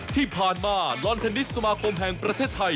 ที่ผ่านมาลอนเทนนิสสมาคมแห่งประเทศไทย